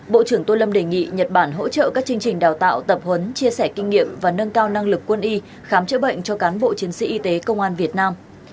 bộ trưởng tô lâm đề nghị nhật bản hỗ trợ các chương trình đào tạo tập huấn chia sẻ kinh nghiệm và nâng cao năng lực quân y khám chữa bệnh cho cán bộ chiến sĩ y tế công an việt nam